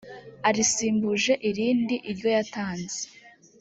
arisimbuje irindi iryo yatanze